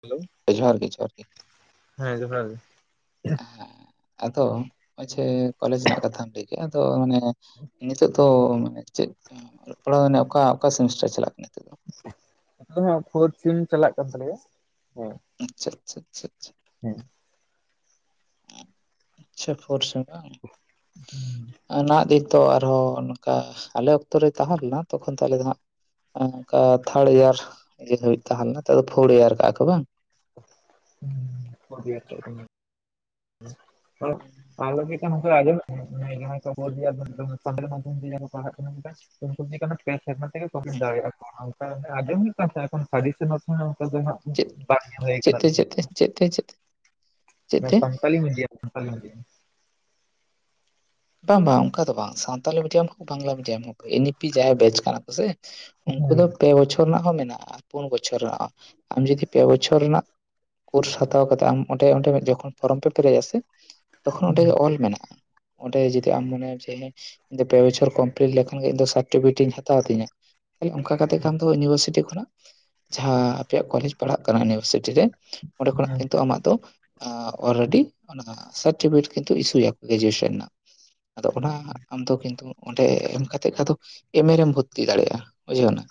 Hello ᱡᱚᱦᱟᱨ ᱜᱮ ᱡᱚᱦᱟᱨ ᱜᱮ᱾ ᱦᱮᱸ ᱡᱚᱦᱟᱨ ᱜᱮ ᱦᱮᱸ ᱟᱫᱚ ᱦᱚᱸᱪᱷᱮ ᱠᱚᱞᱮᱡᱽ ᱨᱮᱱᱟᱜ ᱠᱟᱛᱷᱟᱢ ᱞᱟᱹᱭ ᱠᱮᱜᱼᱟ ᱟᱫᱚ ᱢᱟᱱᱮ ᱱᱤᱛᱚᱜ ᱫᱚ ᱢᱟᱱᱮ ᱪᱮᱫ ᱚᱞᱚᱜ ᱯᱟᱲᱟᱣ ᱢᱟᱱᱮ ᱚᱠᱟ ᱚᱠᱟ ᱥᱮᱢᱤᱥᱴᱟᱨ ᱪᱟᱞᱟᱜ ᱠᱟᱱᱟ ᱱᱤᱛᱚᱜ ᱫᱚ? ᱟᱞᱮ ᱫᱚ ᱦᱟᱸᱜ ᱯᱷᱳᱨ ᱥᱤᱢ ᱪᱟᱞᱟᱜ ᱠᱟᱱ ᱛᱟᱞᱮᱭᱟ ᱦᱮᱸ᱾ ᱟᱪᱪᱷᱟ ᱟᱪᱪᱷᱟ ᱟᱪᱪᱷᱟ ᱪᱪᱷᱟ ᱦᱮᱸ ᱟᱪᱪᱷᱟ ᱯᱷᱳᱨᱥᱮᱢ ᱵᱟᱝ ᱟ ᱱᱟ ᱛᱚ ᱟᱨᱦᱚᱸ ᱱᱚᱝᱠᱟ ᱟᱞᱮ ᱚᱠᱛᱚᱨ ᱨᱮ ᱛᱟᱦᱮᱸ ᱞᱮᱱᱟ ᱛᱚᱠᱷᱚᱱ ᱛᱚ ᱟᱞᱮ ᱫᱚ ᱦᱟᱸᱜ ᱚᱝᱠᱟ ᱛᱷᱟᱨᱰ ᱤᱭᱟᱨ ᱤᱭᱟᱹ ᱫᱷᱟᱹᱵᱤᱡ ᱛᱟᱦᱮᱸᱞᱮᱱᱟ ᱛᱚ ᱯᱷᱳᱨ ᱤᱭᱟᱨ ᱠᱟᱜᱼᱟ ᱠᱚ ᱵᱟᱝ? [unintelligible] ᱦᱩᱸ [unintelligible] ᱵ ᱠᱟᱱᱟ [unintelligible] ᱟᱯᱮ ᱥᱮᱨᱢᱟ ᱛᱮᱜᱮ ᱠᱚᱢᱢᱤ ᱦᱮᱸ ᱫᱟᱲᱮᱭᱟᱜᱼᱟ ᱚᱱᱠᱟ ᱟᱸᱡᱚᱢ ᱦᱩᱭᱩᱜ ᱠᱟᱱ ᱛ ᱛᱟᱦᱮᱸᱫ ᱮ ᱥᱟ ᱥᱮᱱ ᱚᱱᱠᱟ ᱫᱚ ᱦ [unintelligible] ᱪ ᱪᱛᱮ ᱪᱛᱮ ᱪᱛᱮ ᱪ ᱪᱛᱮ ᱟᱹᱞᱤ ᱢᱡᱞᱤ ᱢ [unintelligible] ᱵᱟᱝ ᱵᱟᱝ ᱚᱱᱠᱟ ᱫᱚ ᱵᱟᱝ ᱥᱟᱱᱛᱟᱞᱤ ᱢᱤᱰᱤᱭᱟᱢ ᱦᱚᱸ ᱵᱟᱝᱞᱟ ᱢᱤᱰᱤᱭᱟᱢ ᱦᱚᱸ ᱮᱱᱤᱯᱤ ᱡᱟᱭ ᱵᱮᱪ ᱠᱟᱱᱟ ᱠᱚ ᱥᱮ ᱩᱱᱠᱩ ᱫᱚ ᱯᱮ ᱵᱚᱪᱷᱚᱨ ᱨᱮᱱᱟᱜ ᱦᱚᱸ ᱢᱮᱱᱟᱜᱼᱟ ᱯᱩᱱ ᱵᱚᱪᱷᱚᱨ ᱨᱮᱱᱟᱜ ᱦᱚᱸ ᱟᱢ ᱡᱩᱫᱤ ᱯᱮ ᱵᱚᱪᱷᱚᱨ ᱨᱮᱱᱟᱜ ᱠᱳᱨᱥ ᱦᱟᱛᱟᱣ ᱠᱟᱛᱮᱫ ᱟᱢ ᱚᱸᱰᱮ ᱚᱸᱰᱮ ᱡᱚᱠᱷᱚᱱ ᱯᱷᱚᱨᱚᱢ ᱯᱮ ᱯᱮᱨᱮᱡ ᱟᱥᱮ ᱛᱚᱠᱷᱚᱱ ᱚᱸᱰᱮ ᱚᱞ ᱢᱮᱱᱟᱜᱼᱟ ᱚᱸᱰᱮ ᱡᱩᱚᱫᱤ ᱟᱢ ᱢᱚᱱᱮᱭᱟ ᱡᱮ ᱯᱮ ᱵᱚᱪᱷᱚᱨ ᱠᱚᱢᱯᱤᱞᱤᱴ ᱞᱮᱠᱷᱟᱱ ᱜᱮ ᱤᱧ ᱥᱟᱨᱴᱤᱯᱷᱤᱠᱮᱴ ᱤᱧ ᱦᱟᱛᱟᱣ ᱛᱤᱧᱟ ᱛᱟᱦᱮ ᱚᱱᱠᱟ ᱠᱟᱛᱮ ᱠᱷᱟᱱ ᱫᱚ ᱤᱭᱩᱱᱤᱵᱷᱟᱨᱥᱤᱴᱤ ᱠᱷᱚᱱᱟᱜ ᱡᱟᱦᱟᱸ ᱟᱯᱮᱭᱟᱜ ᱠᱚᱞᱮᱡᱽ ᱯᱟᱲᱟᱜ ᱠᱟᱱᱟ ᱤᱭᱩᱱᱤᱵᱷᱟᱨᱥᱤᱴᱤ ᱨᱮ ᱚᱸᱰᱮ ᱠᱷᱚᱱᱟᱜ ᱠᱤᱱᱛᱩ ᱟᱢᱟᱜ ᱫᱚ ᱚᱞᱨᱮᱰᱤ ᱚᱱᱟ ᱥᱟᱨᱴᱤᱯᱷᱤᱴᱠᱮᱴ ᱠᱤᱱᱛᱩ ᱤᱥᱩᱭᱟᱠᱚ ᱜᱨᱮᱡᱩᱭᱮᱥᱚᱱ ᱨᱮᱱᱟᱜ ᱟᱫᱚ ᱚᱱᱟ ᱦᱟᱸᱜ ᱟᱢᱫᱚ ᱠᱤᱱᱛᱩ ᱚᱸᱰᱮ ᱮᱢ ᱠᱟᱛᱮᱜ ᱜᱮ ᱟᱫᱚ ᱮᱢ ᱮ ᱨᱮᱢ ᱵᱷᱚᱛᱛᱤ ᱫᱟᱲᱮᱭᱟᱜᱼᱟ ᱵᱩᱡᱷᱟᱣᱱᱟ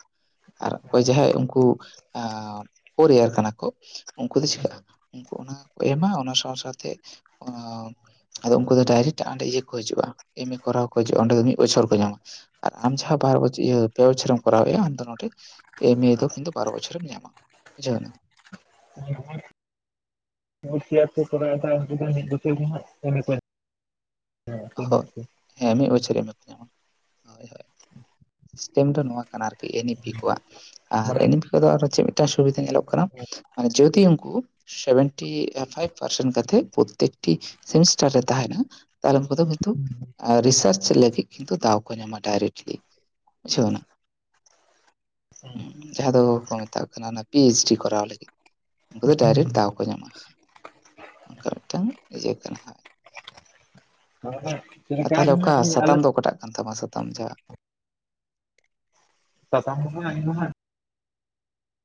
ᱟᱨ ᱚᱠᱚᱭ ᱡᱟᱦᱟᱸᱭ ᱩᱝᱠᱩ ᱯᱳᱨ ᱮᱭᱟᱨ ᱠᱟᱱᱟ ᱠᱚ ᱩᱝᱠᱩ ᱫᱚ ᱪᱤᱠᱟᱹᱜᱼᱟ ᱚᱱᱟ ᱠᱚ ᱮᱢᱟ ᱚᱱᱟ ᱥᱟᱶ ᱥᱟᱶᱛᱮᱜ ᱚᱱᱟ ᱟᱫᱚ ᱩᱝᱠᱩ ᱫᱚ ᱰᱟᱭᱨᱮᱴᱟ ᱟᱸᱰᱮ ᱤᱭᱟᱹ ᱠᱚ ᱦᱤᱡᱩᱜᱼᱟ ᱮᱢ ᱮ ᱠᱚᱨᱟᱣ ᱠᱚ ᱦᱤᱡᱩᱜᱼᱟ ᱚᱸᱰᱮ ᱫᱚ ᱢᱤᱜ ᱵᱚᱪᱷᱚᱨ ᱠᱚ ᱧᱟᱢᱟ ᱟᱨ ᱟᱢ ᱡᱟᱦᱟᱸ ᱵᱟᱨ ᱵᱚᱪᱚ ᱤᱭᱟ ᱯᱮ ᱵᱚᱪᱷᱚᱨᱮᱢ ᱠᱚᱨᱟᱣᱮᱜᱼᱟ ᱟᱢ ᱫᱚ ᱱᱚᱸᱰᱮ ᱮᱢᱮ ᱫᱚ ᱠᱤᱱᱛᱩ ᱵᱟᱨᱚ ᱵᱚᱪᱷᱚᱨᱮᱢ ᱧᱟᱢᱟ ᱵᱩᱡᱷᱟᱹᱣ ᱱᱟ [unintelligible] ᱢᱤᱭᱩᱴ ᱥᱮᱭᱟᱨ ᱛᱮ ᱠᱚᱨᱟᱣ ᱫᱟᱭ ᱩᱱᱤ ᱫᱚ ᱢᱤᱫ ᱵᱚᱪᱷᱚᱨ ᱜᱮ ᱦᱟᱸᱜ ᱮᱢᱮ ᱠᱚ ᱦᱳᱭ ᱟᱢᱟᱭ [unintelligible] ᱦᱮᱸ ᱢᱤᱜ ᱵᱚᱪᱷᱚᱨ ᱮᱢᱮ ᱠᱚ ᱟᱢᱟ ᱦᱳᱭ ᱦᱳᱭ ᱥᱤᱥᱴᱮᱢ ᱫᱚ ᱱᱚᱣᱟ ᱠᱟᱱᱟ ᱟᱨᱠᱤ ᱮᱱᱤᱯᱤ ᱠᱚᱣᱟᱜ ᱟᱨ ᱢᱟᱱᱮ ᱮᱱᱤᱯᱤ ᱠᱚᱫᱚ ᱟᱨᱚ ᱪᱮᱜ ᱛᱟ ᱥᱩᱵᱤᱫᱷᱟ ᱧᱮᱞᱚᱜ ᱠᱟᱱᱟ ᱢᱟᱱᱮ ᱡᱚᱫᱤ ᱩᱝᱠᱩ ᱥᱮᱵᱷᱮᱱᱴᱤ ᱯᱷᱟᱭᱤᱵ ᱯᱟᱨᱥᱮᱱ ᱠᱟᱛᱮᱜ ᱯᱳᱛᱛᱮᱠᱴᱤ ᱥᱮᱢᱤᱥᱴᱟᱨ ᱨᱮ ᱛᱟᱦᱮᱱᱟ ᱛᱟᱦᱚᱞᱮ ᱩᱱᱠᱩ ᱫᱚ ᱠᱤᱱᱛᱩ ᱨᱤᱥᱟᱨᱪ ᱞᱟᱹᱜᱤᱜ ᱠᱤᱱᱛᱩ ᱫᱟᱣ ᱠᱚ ᱧᱟᱢᱟ ᱰᱟᱭᱨᱮᱠᱴᱞᱤ ᱵᱩᱡᱷᱟᱣᱱᱟ ᱦᱩᱸ ᱡᱟᱦᱟᱸ ᱫᱚᱠᱚ ᱢᱮᱛᱟᱜ ᱠᱟᱱᱟ ᱚᱱᱟ ᱯᱤ ᱮᱭᱤᱪ ᱰᱤ ᱠᱚᱨᱟᱣ ᱞᱟᱹᱜᱤᱫ ᱩᱝᱠᱩ ᱫᱚ ᱰᱟᱭᱨᱮᱠᱴ ᱫᱟᱣ ᱠᱚ ᱧᱟᱢᱟ ᱚᱝᱠᱟ ᱢᱮᱫᱴᱟᱝ ᱤᱭᱟᱹ ᱠᱟᱱᱟ [inaudible] ᱟᱨ ᱛᱟᱦᱚᱞᱮ ᱚᱠᱟ ᱟᱞᱮ ᱥᱟᱛᱟᱢ ᱫᱚ ᱚᱠᱟᱴᱟᱜ ᱠᱟᱱ ᱛᱟᱢᱟ ᱥᱟᱛᱟᱢ ᱡᱟ ᱥᱟᱥᱟᱝ ᱫᱚ ᱦᱟᱸᱜ ᱤᱧ ᱫᱚ ᱦᱟᱸᱜ [unintelligible]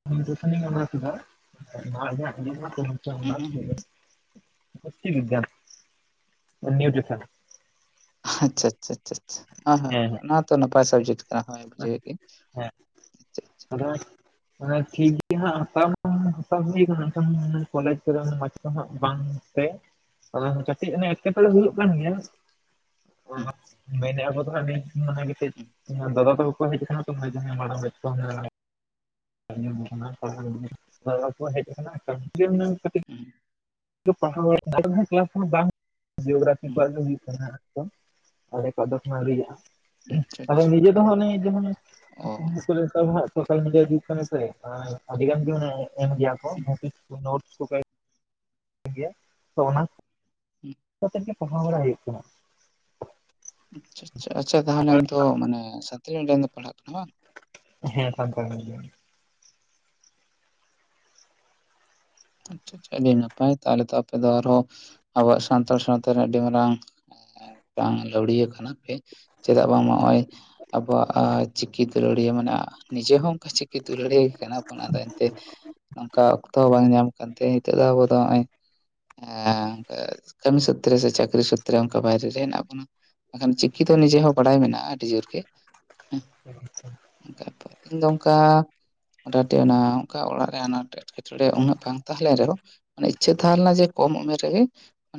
ᱦᱩᱸ ᱦᱩᱸ ᱦᱩᱸ [unintelligible] ᱱᱤᱭᱩᱴᱨᱤᱥᱚᱱ ᱟᱪᱪᱷᱟ ᱟᱪᱪᱷᱟ ᱟᱪᱪᱷᱟ ᱟᱪᱪᱷᱟ ᱦᱮᱸ ᱦᱮᱸ ᱚᱱᱟ ᱛᱚ ᱱᱟᱯᱟᱭ ᱥᱟᱵᱡᱮᱠᱴ ᱠᱟᱱᱟ ᱦᱳᱭ ᱵᱩᱡᱷᱟᱣᱭᱤ ᱤᱧ [unintelligible] ᱚᱱᱮ ᱴᱷᱤᱠ ᱜᱤ ᱦᱟᱸᱜ ᱦᱟᱛᱟᱣ ᱢᱟ ᱦᱟᱛᱟᱣ ᱦᱩᱭ ᱠᱟᱱᱟ ᱮᱱᱠᱷᱟᱱ ᱠᱚᱞᱮᱡᱽ ᱠᱚᱨᱮᱱ ᱢᱟᱪᱮᱫ ᱠᱚ ᱦᱚᱸ ᱵᱟᱝ ᱛᱮ ᱠᱟᱹᱴᱤᱡ ᱚᱱᱮ ᱮᱸᱴᱠᱮᱴᱚᱬᱮ ᱦᱩᱭᱩᱜ ᱠᱟᱱ ᱜᱮᱭᱟ ᱦᱩᱸ ᱢᱮᱱᱮᱼᱟ ᱟᱠᱚ ᱫᱚ ᱦᱟᱸᱜ ᱢᱮᱱ ᱚᱱᱟ [unintelligible] ᱜᱤᱛᱤᱡ ᱦᱩᱸ ᱟᱨ ᱫᱟᱫᱟ ᱛᱟᱹᱣ ᱠᱚ ᱦᱮᱡ ᱠᱟᱱᱟ ᱛᱚ ᱦᱟᱸᱜ ᱡᱟᱦᱟ ᱢᱟᱲᱟᱝ ᱵᱮᱪ ᱠᱚ ᱦᱟᱸᱜ [unintelligible] ᱠᱚ ᱦᱮᱡ ᱟᱠᱟᱱᱟ [unintelligible] ᱠᱟᱹᱴᱤᱡ ᱦᱩᱸ ᱯᱟᱲᱦᱟᱣ [unintelligible] ᱵᱟᱝ ᱡᱤᱭᱳᱜᱨᱟᱯᱷᱤ ᱦᱩᱸ ᱠᱚᱣᱟᱜ ᱜᱮ ᱦᱩᱭᱩᱜ ᱠᱟᱱᱟ ᱟᱞᱮ ᱠᱚᱣᱟᱜ ᱫᱚ ᱮᱠᱷᱚᱱᱚ ᱟᱪᱪᱷᱟ ᱟᱣᱨᱤ ᱦᱩᱭᱩᱜᱼᱟ ᱟᱫᱚ ᱟᱪᱪᱷᱟ ᱱᱤᱡᱮ ᱫᱚ ᱦᱟᱸᱜ ᱚᱱᱮ ᱡᱟᱦᱟᱱᱟᱜ ᱚ [unintelligible] ᱥᱳᱥᱟᱞ ᱢᱤᱰᱤᱭᱟ ᱡᱩᱜ ᱠᱟᱱᱟ ᱥᱮ ᱟᱨ ᱟᱹᱰᱤ ᱜᱟᱱ ᱜᱮ ᱚᱱᱮ ᱮᱢ ᱜᱮᱭᱟ ᱠᱚ ᱦᱩᱸ ᱱᱳᱴᱤᱥ ᱠᱚ ᱱᱳᱴ [unintelligible] ᱜᱮᱭᱟ ᱛᱚ ᱚᱱᱟ ᱦᱩᱸ ᱠᱟᱛᱮᱫ ᱜᱮ ᱯᱟᱲᱦᱟᱣ ᱵᱟᱲᱟ ᱦᱩᱭᱩᱜ ᱠᱟᱱᱟ ᱟᱪᱪᱷᱟ ᱟᱪᱪᱷᱟ ᱟᱪᱪᱷᱟ ᱛᱟᱦᱞᱮ ᱟᱢ ᱫᱚ ᱢᱟᱱᱮ [unintelligible] ᱥᱟᱱᱟᱞᱤ ᱢᱤᱰᱤᱭᱟᱢ ᱛᱮᱢ ᱯᱟᱲᱦᱟᱜ ᱠᱟᱱᱟ ᱦᱮᱸ ᱵᱟᱝ ᱦᱮᱸ ᱥᱟᱱᱛᱟᱞᱤ ᱜᱮ ᱟᱪᱪᱷᱟ ᱟᱪᱪᱷᱟ ᱟᱹᱰᱤ ᱱᱟᱯᱟᱭ ᱛᱟᱦᱚᱞᱮ ᱛᱚ ᱟᱯᱮ ᱫᱚ ᱟᱨᱦᱚᱸ ᱟᱵᱚᱣᱟᱜ ᱥᱟᱱᱛᱟᱲ ᱥᱟᱶᱛᱟ ᱨᱮᱱᱟᱜ ᱟᱹᱰᱤ ᱢᱟᱨᱟᱝ ᱵᱟᱝ ᱞᱟᱹᱣᱲᱤᱭᱟᱹ ᱠᱟᱱᱟ ᱯᱮ ᱪᱮᱫᱟᱜ ᱵᱟᱝ ᱢᱟ ᱚᱜᱼᱚᱭ ᱟᱵᱚᱣᱟᱜ ᱪᱤᱠᱤ ᱛᱮ ᱟᱹᱲᱤᱭᱟᱹ ᱢᱟᱱᱮ ᱱᱤᱡᱮ ᱦᱚᱸ ᱚᱱᱠᱟ ᱪᱤᱠᱤ ᱛᱮ ᱩᱞᱟᱹᱲᱤᱭᱟ ᱜᱮ ᱠᱟᱱᱟ ᱵᱚᱱ ᱟᱫᱚ ᱮᱱᱛᱮ ᱱᱚᱝᱠᱟ ᱚᱠᱛᱚ ᱦᱚᱸ ᱵᱟᱝ ᱧᱟᱢ ᱠᱟᱱᱛᱮ ᱱᱤᱛᱚᱜ ᱫᱚ ᱟᱵᱚ ᱫᱚ ᱦᱚᱜᱼᱚᱭ ᱟᱸ ᱠᱟᱹᱢᱤ ᱥᱩᱛᱨᱮ ᱥᱮ ᱪᱟᱹᱠᱨᱤ ᱥᱩᱛᱨᱮ ᱚᱱᱠᱟ ᱵᱟᱭᱨᱮ ᱨᱮ ᱦᱮᱱᱟᱜ ᱵᱚᱱᱟ ᱢᱮᱱᱠᱷᱟᱱ ᱪᱤᱠᱤ ᱛᱚ ᱱᱤᱡᱮ ᱦᱚᱸ ᱵᱟᱰᱟᱭ ᱢᱮᱱᱟᱜᱼᱟ ᱟᱹᱰᱤ ᱡᱳᱨ ᱜᱮ ᱟᱪᱪᱷᱟ ᱤᱧ ᱫᱚ ᱚᱝᱠᱟ ᱢᱚᱴᱟᱢᱚᱴᱤ ᱚᱱᱟ ᱚᱝᱠᱟ ᱚᱲᱟᱜ ᱨᱮ ᱚᱱᱟ ᱮᱸᱴᱠᱮᱴᱚᱬᱮ ᱩᱱᱟᱹᱜ ᱵᱟᱝ ᱛᱟᱦᱚᱞᱮ ᱨᱮᱦᱚᱸ ᱢᱟᱱᱮ ᱤᱪᱪᱷᱟᱹ ᱛᱟᱦᱮᱸ ᱞᱮᱱᱟ ᱡᱮ ᱠᱚᱢ ᱩᱢᱮᱨ ᱨᱮᱜᱮ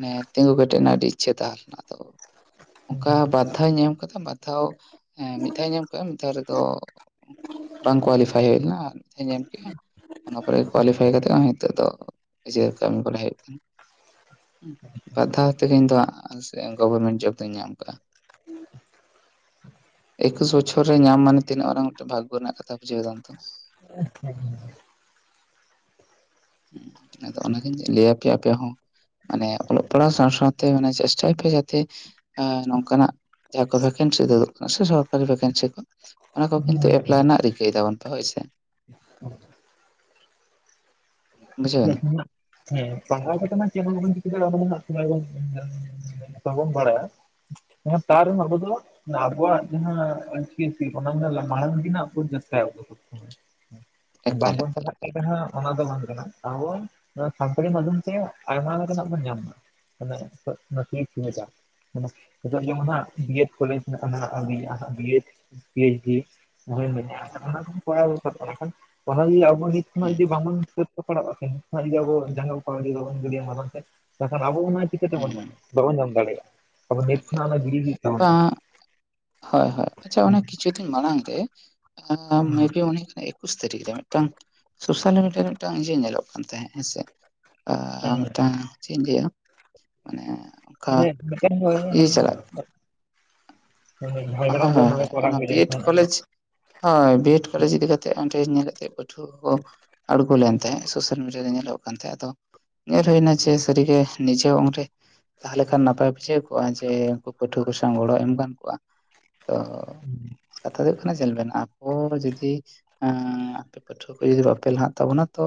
ᱢᱟᱱᱮ ᱛᱤᱸᱜᱩ ᱠᱮᱴᱮᱡ ᱱᱟᱜ ᱟᱹᱰᱤ ᱤᱪᱪᱷᱟᱹ ᱛᱟᱦᱮᱸ ᱞᱮᱱᱟ ᱛᱚ ᱚᱱᱠᱟ ᱵᱟᱫᱷᱟᱣ ᱤᱧ ᱮᱢ ᱟᱠᱟᱫᱟ ᱵᱟᱫ ᱫᱷᱟᱣ ᱦᱮᱸ ᱢᱤᱫ ᱫᱷᱟᱣ ᱤᱧ ᱮᱢ ᱟᱠᱟ ᱢᱤᱫ ᱫᱷᱟᱣ ᱨᱮᱫᱚ ᱵᱟᱝ ᱠᱳᱣᱟᱞᱤᱯᱷᱟᱭ ᱦᱩᱭ ᱞᱮᱱᱟ ᱟᱨ ᱢᱤᱫᱷᱟᱧ ᱮᱢ ᱠᱮᱫᱼᱟ ᱚᱱᱟ ᱯᱚᱨᱮ ᱠᱳᱣᱟᱞᱤᱯᱷᱟᱭ ᱠᱟᱛᱮᱜ ᱦᱚᱸ ᱱᱤᱛᱚᱜ ᱫᱚ ᱤᱡᱮ ᱠᱟᱹᱢᱤ ᱠᱚᱨᱟᱣ ᱦᱩᱭᱩᱜ ᱠᱟᱱᱟ ᱵᱟᱫᱷᱟᱣ ᱛᱮᱜᱮ ᱤᱧ ᱫᱚ ᱦᱟᱜ ᱜᱚᱵᱷᱚᱨᱢᱮᱱᱴ ᱡᱚᱵ ᱫᱚᱧ ᱧᱟᱢ ᱟᱠᱟᱜᱼᱟ ᱮᱠᱩᱥ ᱵᱚᱪᱷᱚᱨ ᱨᱮ ᱧᱟᱢ ᱢᱟᱱᱮ ᱛᱤᱱᱟᱹᱜ ᱢᱟᱨᱟᱝ ᱢᱤᱫᱴᱮᱱ ᱵᱷᱟᱜᱜᱚ ᱨᱮᱱᱟᱜ ᱠᱟᱛᱷᱟ ᱵᱩᱡᱷᱟᱹᱣ ᱫᱟᱢ ᱛᱚ ᱟ [unintelligible] ᱦᱩᱸ ᱟᱫᱚ ᱚᱱᱟᱜᱤᱧ ᱞᱟᱹᱭ ᱟᱯᱮᱭᱟ ᱟᱯᱮ ᱦᱚᱸ ᱢᱟᱱᱮ ᱚᱞᱚᱜ ᱯᱟᱲᱦᱟᱜ ᱥᱟᱶ ᱥᱟᱶᱛᱮ ᱢᱟᱱᱮ ᱪᱮᱥᱴᱟᱭ ᱯᱮ ᱡᱟᱛᱮ ᱱᱚᱝᱠᱟᱱᱟᱜ ᱡᱟᱦᱟᱸ ᱠᱚ ᱵᱷᱮᱠᱮᱱᱥᱤ ᱩᱫᱩᱜ ᱠᱟᱱᱟ ᱥᱮ ᱥᱚᱨᱠᱟᱨᱤ ᱵᱷᱮᱠᱮᱱᱥᱤ ᱠᱚ ᱚᱱᱟ ᱠᱚ ᱠᱤᱱᱛᱩ ᱮᱯᱞᱟᱭ ᱨᱮᱱᱟᱜ ᱨᱤᱠᱟᱹᱭ ᱛᱟᱵᱚᱱ ᱯᱮ ᱦᱳᱭ ᱥᱮ [unintelligible] ᱵᱩᱡᱷᱟᱹᱣᱱᱟ ᱟᱪ [unintelligible] ᱦᱮᱸ ᱯᱟᱲᱦᱟᱣ ᱠᱟᱛᱮᱜ ᱢᱟ ᱪᱮᱫᱵᱚᱱ ᱪᱤᱠᱟᱹ ᱫᱟᱲᱮᱭᱟᱜ ᱵᱟᱵᱚᱱ ᱵᱟᱲᱟᱭᱟ ᱦᱮ ᱛᱟᱨᱮ ᱦᱚᱸ ᱟᱵᱳᱫᱚ ᱟᱵᱚᱣᱟᱜ ᱡᱟᱦᱟ ᱚᱞ ᱪᱤᱠᱤ ᱚᱱᱟ ᱢᱮᱱ ᱢᱟᱲᱟᱝ ᱛᱮᱱᱟᱜ ᱵᱚᱱ ᱪᱮᱥᱴᱟᱭᱟ ᱟᱵᱳ ᱫᱚ [unintelligible] ᱵᱟᱝᱵᱚᱱ ᱮᱠᱟᱞ ᱯᱟᱲᱦᱟᱜ ᱮᱠᱟᱞ ᱠᱟᱱᱟ ᱦᱟᱜ ᱚᱱᱟ ᱫᱚ ᱵᱟᱝ ᱠᱟᱱᱟ ᱟᱵᱚ ᱱᱚᱣᱟ ᱠᱚᱢᱯᱟᱱᱤ ᱢᱟᱫᱽᱫᱷᱚᱢ ᱛᱮ ᱟᱭᱢᱟ ᱞᱮᱠᱟᱱᱟᱜ ᱵᱚᱱ ᱧᱟᱢᱟ [inaudible] ᱡᱮᱢᱚᱱ ᱦᱟᱸᱜ B Ed college B Ed P H ᱢ ᱚᱱᱟ ᱯ ᱮ ᱯᱦᱟ ᱡᱤ ᱚᱵᱚᱦᱤᱛ [unintelligible] ᱚᱱᱟ ᱦᱩᱸ ᱡᱩᱫᱤ ᱵᱟᱝᱵᱚᱱ ᱥᱟ. ᱛ ᱯᱟᱲᱟᱜ ᱠᱷᱟᱱ ᱡᱩᱫᱤ ᱟᱵᱚ ᱡᱟᱸᱜᱟ ᱠᱟᱲᱤ ᱵᱟᱵᱚᱱ ᱜᱟᱹᱭᱤᱭᱟ ᱢᱟ ᱵᱟᱝ ᱛᱟᱠᱷᱟᱱ ᱟᱵᱚ ᱚᱱᱟ ᱪᱤᱠᱟᱹ ᱦᱩᱸ ᱛᱮᱵᱚᱱ ᱧᱟᱢ ᱦᱩᱸ ᱵᱟᱵᱚᱱ ᱧᱟᱢ ᱫᱟᱲᱮᱭᱟᱜᱼᱟ ᱟᱵᱚ ᱱᱤᱛ ᱮᱠᱟᱞ ᱠᱷᱚᱱᱟᱜ ᱮᱠᱟᱞ ᱜᱤᱰᱤ ᱦᱩᱭᱩᱜ ᱛᱟᱵᱚᱱᱟ ᱵᱟᱝ ᱦᱳᱭ ᱦᱳᱭ ᱟᱪᱪᱷᱟ ᱚᱱᱮ ᱠᱤᱪᱷᱩ ᱫᱤᱱ ᱢᱟᱲᱟᱝ ᱛᱮ ᱦᱮᱸ ᱢᱮ ᱵᱤ ᱩᱱᱤ ᱤᱠᱩᱥ ᱛᱟᱹᱨᱤᱠᱷ ᱨᱮ ᱢᱤᱫᱴᱟᱝ ᱥᱳᱥᱟᱞ ᱢᱤᱰᱤᱭᱟ ᱨᱮ ᱢᱤᱫᱴᱟᱝ ᱤᱭᱟᱹ ᱧᱮᱞᱚᱜ ᱠᱟᱱ ᱛᱟᱦᱮᱫ ᱦᱮᱸ ᱥᱮ ᱟ ᱢᱤᱫᱴᱟᱝ ᱪᱮᱫ ᱤᱧ ᱞᱟᱹᱭᱟ ᱢᱟᱱᱮ ᱚᱱᱠᱟ ᱤᱭᱟᱹ ᱪᱟᱞᱟᱜ [unintelligible] ᱦᱮᱸ ᱡᱷᱟᱲᱜᱨᱟᱢ ᱦᱳᱭ ᱫᱚ ᱦᱳᱭ ᱱᱚᱰᱮ ᱦᱳᱭ ᱠᱚ ᱚᱱᱟ ᱵᱤᱭᱮᱰ ᱠᱚᱞᱮᱡᱽ ᱦᱳᱭ ᱵᱤ ᱮᱰ ᱠᱚᱞᱮᱡᱽ ᱤᱫᱤ ᱠᱟᱛᱮ ᱚᱰᱮ ᱧᱮᱞ ᱠᱟᱛᱮᱫ ᱯᱟᱹᱴᱷᱩᱣᱟᱹ ᱠᱚ ᱟᱬᱜᱳ ᱞᱮᱱ ᱛᱟᱦᱮᱸᱜ ᱥᱳᱥᱟᱞ ᱢᱤᱰᱤᱭᱟ ᱨᱮ ᱧᱮᱞᱚᱜ ᱠᱟᱱ ᱛᱟᱦᱮᱸᱫ ᱟᱫᱚ ᱧᱮᱞ ᱦᱩᱭᱱᱟ ᱡᱮ ᱥᱟᱹᱨᱤᱜᱮ ᱱᱤᱡᱮ ᱩᱱᱨᱮ ᱛᱟᱦᱚᱞᱮ ᱠᱷᱟᱱ ᱱᱟᱯᱟᱭ ᱵᱩᱡᱷᱟᱹᱣᱠᱚᱜᱼᱟ ᱡᱮ ᱩᱱᱠᱩ ᱯᱟᱹᱴᱷᱩᱣᱟᱹ ᱠᱚ ᱥᱟᱶ ᱜᱚᱲᱚ ᱮᱢ ᱜᱟᱱ ᱠᱚᱣᱟ ᱛᱚ ᱢᱟᱱᱮ ᱠᱟᱛᱷᱟ ᱫᱚ ᱦᱩᱭᱩᱜ ᱠᱟᱱᱟ ᱧᱮᱞ ᱵᱮᱱ ᱟᱢ ᱚ ᱡᱩᱫᱤ ᱟᱯᱮ ᱯᱟᱹᱴᱷᱩᱣᱟᱹ ᱠᱚ ᱡᱩᱫᱤ ᱵᱟᱯᱮ ᱞᱟᱦᱟᱜ ᱛᱟᱵᱚᱱᱟ ᱛᱚ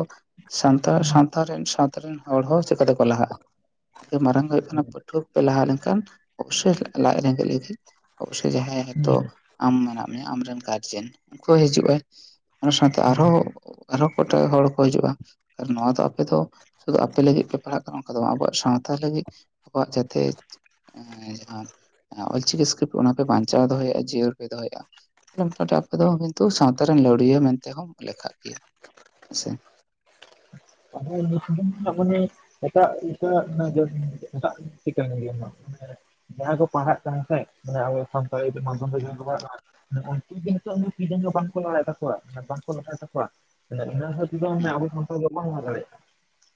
ᱥᱟᱱᱛᱟᱲ ᱥᱟᱶᱛᱟ ᱨᱮᱱ ᱥᱟᱶᱛᱟ ᱨᱮᱱ ᱦᱚᱲ ᱦᱚ ᱪᱮᱠᱟᱛᱮᱠᱚ ᱞᱟᱦᱟᱜᱼᱟ ᱢᱟᱨᱟᱝ ᱦᱩᱭᱩᱜ ᱯᱟᱹᱴᱷᱩᱣᱟᱹ ᱠᱚᱯᱮ ᱞᱟᱦᱟ ᱞᱮᱱᱠᱷᱟᱱ ᱚᱵᱚᱥᱚᱭ ᱞᱟᱡ ᱨᱮᱸᱜᱮᱡ ᱞᱟᱹᱜᱤᱫ ᱚᱵᱚᱥᱚᱭ ᱡᱟᱦᱟᱸᱭ ᱦᱮᱛᱚᱜ ᱟᱢ ᱢᱮᱱᱟᱜ ᱢᱮᱭᱟ ᱟᱢᱨᱮᱱ ᱜᱟᱨᱡᱮᱱ ᱩᱱᱠᱩ ᱦᱚᱸ ᱦᱤᱡᱩᱜ ᱟᱭ ᱚᱱᱟ ᱥᱟᱶᱛᱮ ᱟᱨᱦᱚᱸ ᱟᱨᱦᱚᱸ ᱠᱚᱴᱮᱡ ᱦᱚᱲ ᱠᱚ ᱦᱤᱡᱩᱜᱼᱟ ᱱᱚᱣᱟ ᱫᱚ ᱟᱯᱮ ᱫᱚ ᱥᱩᱫᱩ ᱟᱯᱮ ᱞᱟᱹᱜᱤᱫ ᱯᱮ ᱯᱟᱲᱦᱟᱜ ᱠᱟᱱᱟ ᱚᱱᱠᱟ ᱫᱚ ᱵᱟᱝ ᱟᱵᱚᱣᱟᱜ ᱥᱟᱶᱛᱟ ᱞᱟᱹᱜᱤᱫ ᱟᱵᱚᱣᱟᱜ ᱡᱟᱛᱮ ᱡᱟᱦᱟᱸ ᱚᱞᱪᱤᱠᱤ ᱤᱥᱠᱨᱤᱯ ᱚᱱᱟ ᱯᱮ ᱵᱟᱧᱪᱟᱣ ᱫᱚᱦᱚᱭᱮᱜ-ᱟ ᱡᱤᱭᱟᱹᱲ ᱯᱮ ᱫᱚᱦᱚᱭᱮᱫ-ᱟ ᱛᱟᱦᱮ ᱟᱯᱮ ᱫᱚ ᱠᱤᱱᱛᱩ ᱥᱟᱶᱛᱟ ᱨᱮᱱ ᱞᱟᱹᱣᱲᱤᱭᱟᱹ ᱢᱮᱱᱛᱮᱦᱚᱸ ᱞᱮᱠᱷᱟᱜ ᱜᱮᱭᱟ ᱦᱮᱸᱥᱮ [unintelligible] [unintelligible] ᱡᱟᱦᱟᱸᱭ ᱠᱚ ᱯᱟᱲᱦᱟᱜ ᱠᱟᱱᱟ ᱥᱮ ᱢᱟᱱᱮ ᱟᱵᱚ ᱥᱟᱱᱛᱟᱲᱤ ᱢᱟᱫᱽᱫᱷᱚᱢ ᱛᱮ ᱦᱩᱸ ᱡᱟᱦᱟᱸ ᱠᱚ ᱯᱟᱲᱦᱟᱜ ᱠᱟᱱᱟ ᱱᱤᱛᱚᱜ ᱡᱚ ᱵᱟᱝᱠᱚ ᱞᱟᱭᱮᱫ ᱛᱟᱠᱚᱣᱟ ᱵᱟᱝᱠᱚ ᱞᱟᱦᱟᱭ ᱛᱟᱠᱚᱣᱟ ᱦᱩᱸ ᱟᱵᱚ ᱥᱟᱱᱛᱟᱞ ᱫᱚ ᱵᱟᱝ ᱞᱟᱦᱟ ᱫᱟᱲᱮᱭᱟᱜ-ᱟ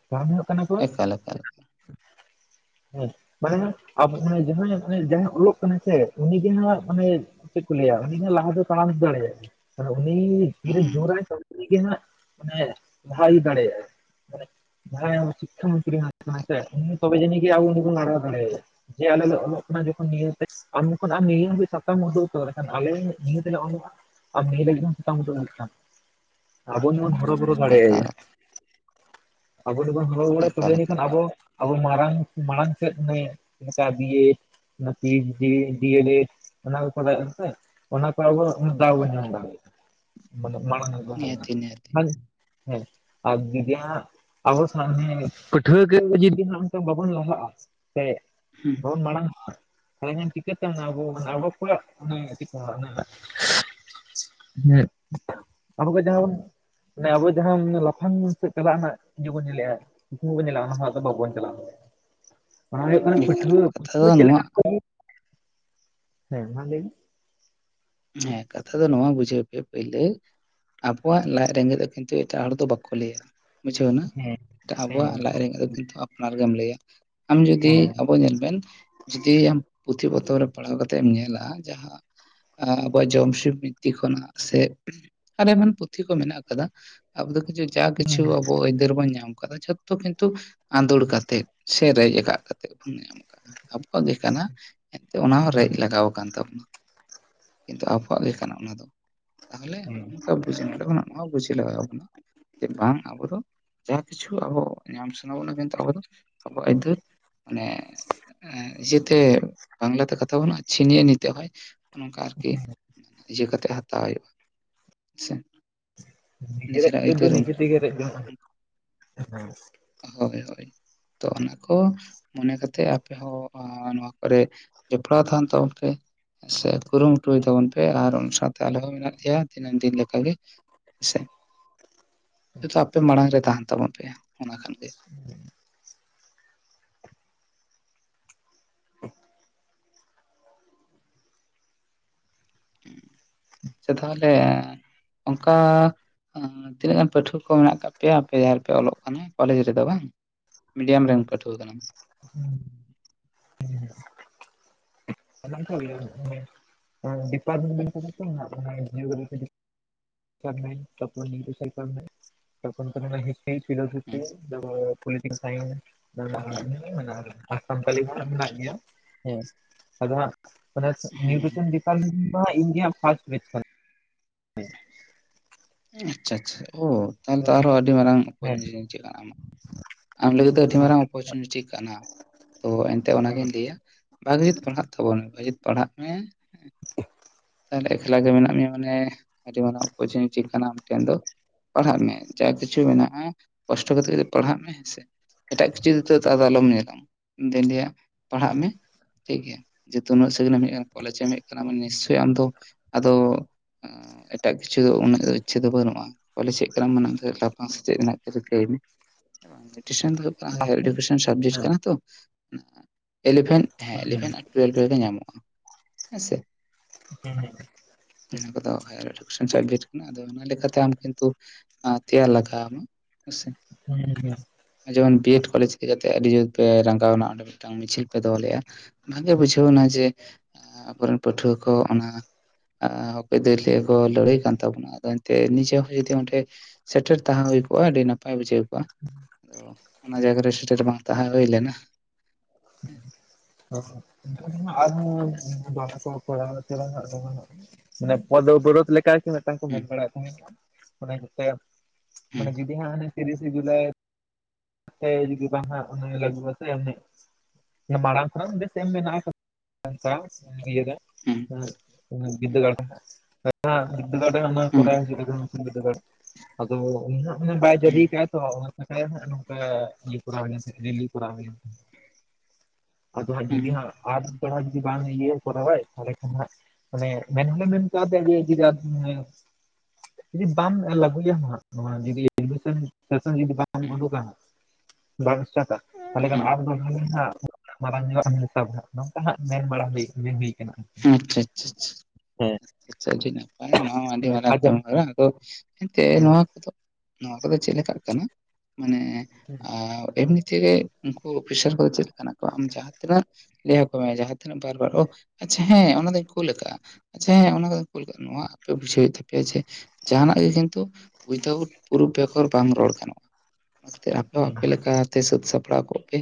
ᱠᱟᱨᱚᱱ ᱦᱩᱭᱩᱜ ᱠᱟᱱᱟ ᱠᱚ ᱮᱠᱟᱞ [unintelligible] ᱦᱮᱸ ᱢᱟᱱᱮ ᱟᱵᱳ ᱡᱟᱦᱟᱸᱭ ᱢᱟᱱᱮ ᱡᱟᱦᱟᱸᱭ ᱚᱞᱚᱜ ᱠᱟᱱᱟᱭ ᱥᱮ ᱩᱱᱤᱜᱮ ᱦᱟᱸᱜ ᱢᱟᱱᱮ ᱪᱮᱫ ᱠᱚ ᱞᱟᱹᱭᱟ ᱩᱱᱤ ᱞᱟᱦᱟ ᱫᱚ ᱛᱟᱲᱟᱢ ᱫᱟᱲᱮᱭᱟᱜ-ᱟ ᱩᱱᱤ ᱛᱤ ᱨᱮ ᱦᱩᱸ ᱡᱳᱨᱟᱭ ᱛᱚᱵᱮ ᱟᱹᱱᱤᱡ ᱜᱮ ᱦᱟᱸᱜ ᱢᱟᱱᱮ ᱞᱟᱦᱟ ᱤᱫᱤ ᱫᱟᱲᱮᱭᱟᱜ-ᱟᱭ ᱡᱟᱸᱦᱟᱭ ᱥᱤᱠᱠᱷᱟ ᱢᱚᱱᱛᱨᱤ ᱠᱟᱱᱟᱭ ᱥᱮ ᱩᱱᱤ ᱛᱚᱵᱮ ᱡᱟᱹᱱᱤ ᱟᱵᱚ ᱵᱚᱱ ᱠᱟᱲᱟᱣ ᱫᱟᱲᱮᱭᱟ ᱡᱮ ᱟᱞᱮ ᱞᱮ ᱚᱞᱚᱜ ᱠᱟᱱᱟ ᱡᱚᱠᱷᱚᱱ ᱱᱤᱭᱟᱹᱛᱮ ᱟᱢ ᱟᱨ ᱱᱤᱭᱟᱹᱜ ᱥᱟᱛᱟᱢ ᱩᱫᱩᱜ ᱩᱛᱮᱠᱷᱟᱱ ᱟᱞᱮ ᱱᱤᱭᱟᱹ ᱛᱮᱞᱮᱞᱚᱜᱼᱟ [inaudible] ᱮᱠᱟᱞ [unintelligible] ᱟᱵᱚ ᱡᱮᱵᱚᱱ ᱦᱚᱦᱚ ᱵᱟᱲᱟᱭ ᱛᱚᱵᱮ ᱮᱠᱟᱞ ᱮᱱᱠᱷᱟᱱ ᱮᱠᱟᱞ ᱟᱵᱚ ᱟᱵᱚ ᱢᱟᱨᱟᱝ ᱢᱟᱲᱟᱝ ᱥᱮᱫ ᱮᱢ ᱪᱤᱠᱟ ᱫᱤᱭᱮᱴ ᱚᱱᱟ ᱯᱤᱭᱤᱪᱰᱤ ᱰᱤᱭᱮᱞᱮᱴ ᱚᱱᱟ ᱠᱚ ᱠᱚᱨᱟᱣ ᱥᱮ ᱚᱱᱟ ᱠᱚ ᱟᱵᱚ ᱩᱱ ᱫᱟᱣ ᱧᱟᱢ ᱫᱟᱲᱮᱜ ᱩᱱ ᱫᱚ ᱱᱤᱦᱟᱹᱛᱤ ᱱᱤᱦᱟᱹᱛᱤ ᱦᱮᱸ ᱟᱨ ᱟᱵᱚ ᱥᱮ ᱯᱟᱹᱴᱷᱩᱣᱟᱹ ᱠᱚ ᱡᱩᱫᱤ ᱦᱟᱸᱜ ᱱᱤᱛᱚᱝ ᱵᱟᱵᱚᱱ ᱞᱟᱦᱟᱜ-ᱟ ᱥᱮ ᱦᱩᱸ ᱵᱟᱵᱚᱱ ᱢᱟᱲᱟᱝ ᱚᱜ-ᱟ ᱦᱮᱸ ᱦᱮᱸ ᱪᱤᱠᱟᱹ ᱛᱮ ᱟᱵᱚ ᱚᱵᱚᱠᱚᱣᱟᱜ ᱚᱱᱟ ᱪᱤᱠ ᱚᱱᱚ ᱦᱮᱸ ᱟᱵᱚ ᱠᱚ ᱡᱟᱦᱟᱸ ᱵᱚᱱ ᱢᱮ ᱟᱵᱚ ᱡᱟᱦᱟᱸ ᱞᱟᱯᱷᱟᱝ ᱢᱮᱱᱛᱮᱫ ᱪᱟᱞᱟᱜ ᱨᱮᱱᱟᱜ ᱤᱭᱟᱹ ᱵᱚᱱ ᱧᱮᱞᱮᱜ-ᱟ ᱧᱩᱛᱩᱢ ᱦᱚᱸ ᱵᱚᱱ ᱧᱮᱞᱟ-ᱟ ᱚᱱᱟ ᱦᱚᱸ ᱟᱫᱚ ᱵᱟᱵᱚᱱ ᱪᱟᱞᱟᱜ-ᱟ ᱚᱱᱟ ᱦᱩᱭᱩᱜ ᱠᱟᱱᱟ ᱮᱠᱟᱞ ᱯᱟᱹᱴᱷᱣᱟᱹ ᱠᱟᱛᱷᱟ ᱯᱟᱹᱴᱷᱣᱟᱹ ᱫᱚ ᱪᱮᱫ ᱱᱚᱣᱟ ᱞᱮᱠᱟ ᱠᱚ ᱦᱮᱸ ᱢᱟ ᱞᱟᱹᱭ ᱢᱮ ᱦᱮᱸ ᱠᱟᱛᱷᱟ ᱫᱚ ᱱᱚᱣᱟ ᱵᱩᱡᱷᱟᱹᱣ ᱯᱮ ᱯᱳᱭᱞᱳ ᱟᱵᱚᱣᱟᱜ ᱞᱟᱡ ᱨᱮᱸᱜᱮᱡ ᱫᱚ ᱠᱤᱱᱛᱩ ᱮᱴᱟᱜ ᱦᱚᱲ ᱫᱚ ᱵᱟᱠᱚ ᱞᱟᱹᱭᱟ ᱵᱩᱡᱷᱟᱹᱣ ᱮᱱᱟ ᱦᱮᱸ ᱦᱮᱸ ᱟᱵᱚᱣᱟᱜ ᱞᱟᱡ ᱨᱮᱸᱜᱮᱡ ᱫᱚ ᱠᱤᱱᱛᱩ ᱟᱯᱱᱟᱨ ᱜᱮᱢ ᱞᱟᱹᱭᱟ ᱟᱢ ᱡᱩᱫᱤ ᱦᱮᱸ ᱟᱵᱚ ᱧᱮᱞ ᱵᱮᱱ ᱡᱩᱫᱤ ᱟᱢ ᱯᱩᱛᱷᱤ ᱯᱚᱛᱚᱵ ᱨᱮ ᱯᱟᱲᱦᱟᱣ ᱠᱟᱛᱮᱜ ᱮᱢ ᱧᱮᱞᱟ ᱡᱟᱦᱟᱸ ᱟᱵᱚᱣᱟᱜ ᱡᱚᱢᱥᱤᱢ ᱵᱤᱛᱛᱤ ᱠᱷᱚᱱᱟᱜ ᱥᱮ ᱟᱨ ᱮᱢᱟᱱ ᱯᱩᱛᱷᱤ ᱠᱚ ᱢᱮᱱᱟᱜ ᱟᱠᱟᱫᱟ ᱟᱵᱚ ᱫᱚ ᱠᱤᱪᱷᱩ ᱡᱟ ᱠᱤᱪᱷᱩ ᱦᱮᱸ ᱟᱵᱚ ᱟᱹᱭᱫᱟᱹᱨ ᱵᱚᱱ ᱧᱟᱢ ᱠᱟᱫᱟ ᱡᱷᱚᱛᱚ ᱠᱤᱱᱛᱩ ᱟᱸᱫᱳᱲ ᱠᱟᱛᱮᱫ ᱥᱮ ᱨᱮᱡ ᱠᱟᱜ ᱠᱟᱛᱮ ᱵᱚᱱ ᱧᱟᱢᱫᱟ ᱟᱵᱚᱣᱟᱜ ᱜᱮ ᱠᱟᱱᱟ ᱮᱱᱛᱮᱫ ᱚᱱᱟ ᱦᱚᱸ ᱨᱮᱡ ᱞᱟᱜᱟᱣ ᱟᱠᱟᱱ ᱛᱟᱵᱚᱱᱟ ᱠᱤᱱᱛᱩ ᱟᱵᱚᱣᱟᱜ ᱜᱮ ᱠᱟᱱᱟ ᱚᱱᱟ ᱫᱚ ᱛᱟᱦᱚᱞᱮ ᱦᱮᱸ ᱦᱚᱸᱜᱚᱝᱠᱟ ᱵᱩᱡ ᱱᱟ ᱱᱚᱣᱟ ᱵᱩᱡ ᱞᱟᱜᱟᱣ ᱵᱚᱱᱟ ᱡᱮ ᱵᱟᱝ ᱟᱵᱚ ᱫᱚ ᱡᱟ ᱠᱤᱪᱷᱩ ᱟᱵᱚ ᱧᱟᱢ ᱥᱟᱱᱟᱮᱫ ᱵᱚᱱᱟ ᱢᱮᱱᱛᱮ ᱟᱵᱚ ᱫᱚ ᱟᱵᱚᱣᱟᱜ ᱟᱹᱭᱫᱟᱹᱨ ᱢᱟᱱᱮ ᱤᱭᱟᱹᱛᱮ ᱵᱟᱝᱞᱟ ᱛᱮ ᱠᱟᱛᱷᱟ ᱵᱟᱹᱱᱩᱜ-ᱟ ᱪᱷᱤᱱᱭᱮ ᱱᱤᱛᱮ ᱦᱚᱭ ᱚᱱᱮ ᱱᱚᱝᱠᱟ ᱟᱨᱠᱤ ᱤᱭᱟᱹ ᱠᱟᱛᱮᱜ ᱦᱟᱛᱟᱣ ᱦᱩᱭᱩᱜ-ᱟ ᱦᱮᱸᱥᱮ ᱱᱤᱡᱮᱨᱟᱜ ᱟᱹᱭᱫᱟᱹᱨ ᱫᱚ ᱱᱤᱡᱮ ᱛᱮᱜᱮ ᱨᱮᱡ ᱦᱩᱭᱩᱜ-ᱟ ᱦᱳᱭ ᱦᱳᱭ ᱛᱚ ᱚᱱᱟ ᱠᱚ ᱢᱚᱱᱮ ᱠᱟᱛᱮᱜ ᱟᱯᱮ ᱦᱚᱸ ᱱᱚᱣᱟ ᱠᱚᱨᱮ ᱡᱚᱯᱲᱟᱣ ᱛᱟᱦᱮᱱ ᱛᱟᱵᱚᱱ ᱯᱮ ᱥᱮ ᱠᱩᱨᱩᱢᱩᱴᱩᱭ ᱛᱟᱵᱚᱱ ᱯᱮ ᱟᱨ ᱥᱟᱶ ᱟᱞᱮᱦᱚᱸ ᱢᱮᱱᱟᱜ ᱞᱮᱭᱟ ᱫᱤᱱᱟᱹᱢ ᱫᱤᱱ ᱞᱮᱠᱟ ᱜᱮ ᱦᱮᱸᱥᱮ ᱟᱪᱪᱷᱟ ᱟᱯᱮ ᱢᱟᱲᱟᱝ ᱨᱮ ᱛᱟᱦᱮᱱ ᱛᱟᱵᱚᱱ ᱯᱮ ᱚᱱᱟᱠᱷᱟᱱ ᱜᱮ ᱦᱩᱸ ᱦᱮ ᱟᱪᱪᱷᱟ ᱛᱟᱦᱚᱞᱮ ᱚᱱᱠᱟ ᱛᱤᱱᱟᱹᱜ ᱜᱟᱱ ᱯᱟᱹᱴᱷᱩᱣᱟᱹ ᱠᱚ ᱢᱮᱱᱟᱜ ᱟᱠᱟᱜ ᱯᱮᱭᱟ ᱟᱯᱮ ᱡᱟᱦᱟᱸ ᱨᱮᱯᱮ ᱚᱞᱚᱜ ᱠᱟᱱᱟ ᱠᱚᱞᱮᱡᱽ ᱨᱮᱫᱚ ᱵᱟᱝ ᱢᱤᱰᱤᱭᱟᱢ ᱨᱮᱱ ᱯᱟᱹᱴᱷᱩᱣᱟᱹ ᱠᱟᱱᱟᱢ ᱦᱩᱸ ᱢᱮᱱᱟᱜ ᱠᱟᱜ ᱞᱮᱭᱟ [unintelligible] ᱰᱤᱯᱟᱨᱢᱮᱱᱴ ᱠᱚᱫᱚ ᱛᱤᱱᱟᱹᱜ ᱡᱤᱭᱳᱜᱨᱟᱯᱷᱤ ᱥᱟᱱᱛᱟᱞᱤ ᱛᱟᱯᱚᱨ ᱱᱤᱭᱩᱴᱮᱥᱚᱱ ᱛᱟᱯᱚᱨᱮ ᱦᱤᱥᱴᱨᱤ ᱯᱷᱤᱞᱚᱡᱚᱯᱤ ᱦᱩᱸ ᱯᱚᱞᱤᱴᱮᱠᱮᱞ ᱥᱟᱭᱮᱱᱥ ᱢᱮᱱᱟᱜ ᱦᱩᱸ ᱟ ᱟᱨ ᱥᱟᱱᱛᱟᱤ ᱫᱚ ᱦᱟᱸᱜ ᱢᱮᱱᱟᱜ ᱜᱮᱭᱟ ᱦᱮᱸ ᱟᱫᱚ ᱚᱱᱟ ᱱᱤᱭᱩᱴᱨᱮᱥᱚᱱ ᱦᱩᱸ ᱤᱱᱰᱤᱭᱟ ᱯᱷᱟᱥᱴᱮᱪ [unintelligible] ᱦ [unintelligible] ᱟᱪᱪᱷᱟ ᱟᱪᱪᱷᱟ ᱚ ᱛᱟᱦᱞᱮ ᱛᱚ ᱟᱨᱦᱚᱸ ᱟᱹᱰᱤ ᱢᱟᱨᱟᱝ ᱦᱮᱸ ᱟᱢ ᱞᱟᱹᱜᱤᱫ ᱫᱚ ᱟᱹᱰᱤ ᱢᱟᱨᱟᱝ ᱚᱯᱚᱨᱪᱩᱱᱤᱴᱤ ᱠᱟᱱᱟ ᱛᱚ ᱮᱱᱛᱮᱫ ᱚᱱᱟᱜᱤᱧ ᱞᱟᱹᱭᱟ ᱵᱷᱟᱜᱤ ᱡᱩᱛ ᱯᱟᱲᱦᱟᱜ ᱛᱟᱵᱚᱱ ᱢᱮ ᱵᱷᱟᱜᱤ ᱡᱩᱛ ᱯᱟᱲᱦᱟᱜ ᱢᱮ ᱦᱮᱸ ᱛᱟᱦᱞᱮ ᱮᱠᱞᱟ ᱜᱮ ᱢᱮᱱᱟᱜ ᱢᱮᱭᱟ ᱢᱟᱱᱮ ᱟᱡᱚᱢ ᱟᱱᱜ [unintelligible] ᱪᱤᱫ ᱠᱟᱱᱟ ᱟᱯᱮ ᱴᱷᱮᱱ ᱫᱚ ᱯᱟᱲᱦᱟᱜ ᱢᱮ ᱡᱟ ᱠᱤᱪᱷᱩ ᱢᱮᱱᱟᱜᱼᱟ ᱠᱚᱥᱴᱚ ᱠᱟᱛᱮᱜ ᱜᱤ ᱯᱟᱲᱦᱟᱜ ᱢᱮ ᱮᱴᱟᱜ ᱠᱤᱪᱷᱩ ᱫᱚ ᱟᱞᱚᱢ ᱧᱮᱞᱟ ᱤᱧᱫᱩᱧ ᱞᱟᱹᱭᱟ ᱯᱟᱲᱦᱟᱜ ᱢᱮ ᱴᱷᱤᱠᱜᱮᱭᱟ ᱡᱮᱦᱮᱛᱩ ᱱᱩᱱᱟᱹᱜ ᱥᱟᱹᱜᱤᱧ ᱮᱢ ᱦᱮᱡ ᱠᱟᱱᱟ ᱠᱚᱞᱮᱡᱽ ᱮᱢ ᱦᱮᱡ ᱠᱟᱱᱟ ᱱᱤᱥᱪᱚᱭ ᱟᱢ ᱫᱚ ᱟᱫᱚ ᱮᱴᱟᱜ ᱠᱤᱪᱷᱩ ᱫᱚ ᱩᱱᱟᱹᱜ ᱤᱪᱪᱷᱟᱹ ᱫᱚ ᱵᱟᱹᱱᱩᱜᱼᱟ ᱵᱚᱞᱮ ᱪᱮᱫ ᱠᱟᱱᱟᱢ ᱛᱟᱯᱟᱢ ᱥᱮ ᱪᱮᱫ ᱨᱤᱠᱟᱹᱭ ᱢᱮ ᱱᱤᱭᱩᱴᱨᱤᱥᱮᱱ ᱫᱚ ᱦᱩᱭᱩᱜ ᱠᱟᱱᱟ ᱦᱟᱭᱟᱨ ᱮᱰᱩᱠᱮᱥᱚᱱ ᱥᱟᱵᱽᱡᱮᱠᱴ ᱠᱟᱱᱟ ᱛᱚ ᱤᱞᱮᱵᱷᱮᱱ ᱦᱮᱸ ᱤᱞᱮᱵᱷᱮᱱ ᱟᱨ ᱴᱩᱭᱮᱞᱵᱷ ᱨᱮ ᱜᱮ ᱧᱟᱢᱚᱜᱼᱟ ᱦᱮᱸ ᱥᱮ ᱦᱮᱸ ᱚᱱᱟ ᱠᱚᱫᱚ ᱦᱟᱭᱟᱨ ᱮᱰᱩᱠᱮᱥᱚᱱ ᱥᱟᱵᱽᱡᱮᱠᱴ ᱠᱟᱱᱟ ᱟᱫᱚ ᱚᱱᱟ ᱞᱮᱠᱟ ᱛᱮ ᱟᱢ ᱠᱤᱱᱛᱩ ᱟᱨ ᱛᱮᱭᱟᱨ ᱞᱟᱜᱟᱣᱢᱟ ᱦᱮᱥᱮ ᱦᱩᱸ ᱦᱩᱸ ᱱᱚᱜ ᱚᱭ ᱡᱮᱢᱚᱱ ᱵᱤᱮᱰ ᱠᱚᱞᱮᱡᱽ ᱨᱮ ᱡᱟᱛᱮ ᱟᱹᱰᱤ ᱡᱳᱨ ᱯᱮ ᱨᱟᱸᱜᱟᱣᱱᱟ ᱚᱸᱰᱮ ᱢᱤᱫᱴᱟᱝ ᱢᱤᱪᱷᱤᱞ ᱯᱮ ᱫᱚᱦᱚ ᱞᱮᱫᱼᱟ ᱚᱱᱟᱜᱮ ᱵᱩᱡᱷᱟᱹᱣ ᱱᱟ ᱡᱮ ᱟᱵᱚᱨᱮᱱ ᱯᱟᱹᱴᱷᱩᱣᱟᱹ ᱠᱚ ᱚᱱᱟ ᱚᱠᱚᱭ ᱫᱤᱭᱟᱹ ᱠᱚ ᱞᱟᱹᱲᱦᱟᱹᱭ ᱠᱟᱱ ᱛᱟᱵᱚᱱᱟ ᱟᱫᱚ ᱮᱱᱛᱮ ᱱᱤᱡᱮ ᱦᱚᱸ ᱡᱩᱫᱤ ᱚᱸᱰᱮ ᱥᱮᱴᱮᱨ ᱛᱟᱦᱮᱸ ᱦᱩᱭ ᱠᱚᱜᱼᱟ ᱟᱹᱰᱤ ᱱᱟᱯᱟᱭ ᱵᱩᱡᱷᱟᱹᱣ ᱠᱚᱜᱼᱟ [inaudible] ᱛᱚ ᱚᱱᱟ ᱡᱟᱭᱜᱟ ᱨᱮ ᱥᱮᱴᱮᱨ ᱵᱟᱝ ᱛᱟᱦᱮᱸ ᱦᱩᱭ ᱞᱮᱱᱟ ᱦᱮᱸ [unintelligible] ᱟᱨᱦᱚ [unintelligible] ᱠᱚ ᱚᱠᱚᱜ [unintelligible] ᱢᱟᱱᱮ ᱯᱚᱫᱽ ᱚᱵᱚᱨᱳᱫᱷ ᱞᱮᱠᱟ ᱢᱤᱫᱴᱟᱝ ᱠᱚ ᱦᱩᱸ ᱢᱮᱱ ᱵᱟᱲᱟᱭᱮᱫ ᱛᱟᱦᱮᱸᱱᱟ ᱚᱱᱮ ᱢᱤᱫᱴᱮᱱ ᱢᱟᱱᱮ ᱦᱩᱸ ᱡᱩᱫᱤ ᱦᱟᱸᱜ ᱛᱤᱨᱤᱥᱮ ᱡᱩᱞᱟᱭ ᱦᱮᱸ ᱡᱩᱫᱤ ᱵᱟᱝ ᱦᱟᱸᱜ ᱩᱱᱤ ᱞᱟᱹᱜᱩᱜ ᱟ ᱥᱮ ᱮᱢᱱᱤ ᱢᱟᱬᱟᱝ ᱠᱷᱚᱱᱟᱜ [unintelligible] ‌ᱥᱮᱢ ᱢᱮᱱᱟᱜ [unintelligible] ᱥᱟᱶ ᱱᱤᱡᱮᱨᱟᱜ ᱦᱩᱸ ᱩᱸᱜ ᱵᱩᱡ [unintelligible] ᱦᱟᱜ [unintelligible] ᱦᱩᱸ ᱟᱫᱚ [unintelligible] ᱵᱟᱭ ᱦᱩᱸ ᱦᱩᱸ ᱥᱤᱨᱤᱣ ᱠᱟᱜᱟ ᱛᱚ ᱚᱱᱟ ᱱᱟᱠᱷᱟ ᱜᱮ ᱦᱟᱸᱜ ᱱᱚᱝᱠᱟ ᱤᱭᱟᱹ ᱠᱚᱨᱟᱣ ᱦᱩᱭ ᱞᱮᱱ ᱛᱟᱦᱮᱱ ᱨᱮᱞᱤ ᱠᱚᱨᱟᱣ ᱦᱩᱭ ᱞᱮᱱ ᱛᱟᱦᱮᱱ ᱟᱫᱚ ᱦᱟᱸᱜ ᱦᱩᱸ ᱡᱩᱫᱤ ᱦᱟᱸᱜ ᱟᱨ [unintelligible] ᱵᱮᱲᱟ ᱡᱩᱫᱤ ᱵᱟᱝ ᱤᱭᱟᱹ ᱠᱚᱨᱟᱣ ᱟᱭ ᱛᱟᱦᱚᱞᱮ ᱠᱷᱟᱱ ᱦᱟᱸᱜ ᱢᱟᱱᱮ ᱢᱮᱱ ᱜᱮ ᱢᱮᱱ ᱠᱟᱣᱫᱮᱭᱟ ᱡᱮ ᱡᱩᱫᱤᱼᱼ ᱡᱩᱫᱤ ᱵᱟᱢ ᱞᱟᱹᱜᱩᱭᱟᱢ ᱦᱟᱸᱜ ᱱᱚᱣᱟ ᱡᱩᱫᱤ ᱦᱩᱸ [unintelligible] ᱦᱟᱸᱜ ᱵᱟᱝ ᱤᱥᱴᱟᱴᱟ ᱛᱟᱦᱚᱞᱮ ᱠᱷᱟᱱ ᱦᱩᱸ ᱟᱢ ᱫᱚ ᱦᱩᱧ ᱦᱟᱜ ᱢᱟᱨᱟᱝ ᱧᱚᱜ ᱦᱮᱞᱛᱟᱣ ᱠᱷᱟᱜ ᱫᱚ ᱱᱚᱝᱠᱟ ᱦᱟᱸᱜ ᱢᱮᱱ ᱵᱟᱲᱟ ᱦᱩᱭ ᱢᱮᱱᱦᱩᱭ ᱦᱮᱸ ᱟᱪᱪᱷᱟ ᱟᱪᱪᱷᱟ ᱟᱪᱪᱷᱟ ᱦᱮᱸ ᱟᱪᱪᱷᱟ ᱟᱹᱰᱤ ᱱᱟᱯᱟᱭ ᱱᱚᱣᱟ ᱟᱹᱰᱤ ᱢᱟᱱᱮ ᱢᱟᱨᱟᱝ ᱟᱸᱡᱚᱢ ᱠᱟᱹᱢᱤ ᱦᱚᱨᱟ ᱟᱫᱚ ᱮᱱᱛᱮ ᱦᱮᱸ ᱱᱚᱣᱟ ᱠᱚᱫᱚ ᱱᱚᱣᱟ ᱠᱚᱫᱚ ᱪᱮᱫ ᱞᱮᱠᱟᱜ ᱠᱟᱱᱟ ᱢᱟᱱᱮ ᱛᱮ ᱮᱢᱱᱤ ᱛᱮᱜᱮ ᱩᱱᱠᱩ ᱚᱯᱷᱤᱥᱟᱨ ᱠᱚᱫᱚ ᱪᱮᱫ ᱞᱮᱠᱟᱱᱟ ᱠᱚ ᱟᱢ ᱡᱟᱦᱟᱸ ᱛᱤᱱᱟᱹᱜ ᱞᱟᱹᱭ ᱟᱠᱚ ᱢᱮ ᱡᱟᱦᱟᱸ ᱛᱤᱱᱟᱹᱜ ᱵᱟᱨ ᱵᱟᱨ ᱳ ᱟᱪᱪᱷᱟ ᱦᱮᱸ ᱚᱱᱟ ᱫᱩᱧ ᱠᱩᱞ ᱠᱟᱜᱼᱟ ᱟᱪᱪᱷᱟ ᱦᱮᱸ ᱚᱱᱟ ᱠᱚ ᱠᱩᱞ ᱠᱟᱜ ᱟ ᱱᱚᱣᱟ ᱟᱯᱮ ᱵᱩᱡᱷᱟᱹᱣ ᱦᱩᱭᱩᱜ ᱛᱟᱯᱮᱭᱟ ᱡᱮ ᱡᱟᱦᱟᱱᱟᱜ ᱜᱮ ᱠᱤᱱᱛᱩ ᱩᱭᱫᱟᱣᱩᱴ ᱯᱩᱨᱩᱯᱷ ᱵᱮᱜᱚᱨ ᱵᱟᱝ ᱨᱚᱲ ᱜᱟᱱᱚᱜᱼᱟ ᱱᱚᱛᱮ ᱟᱯᱮ ᱦᱚᱸ ᱟᱯᱮ ᱞᱮᱠᱟ ᱛᱮ ᱥᱟᱹᱛ ᱥᱟᱯᱲᱟᱣ ᱠᱚᱜ ᱯᱮ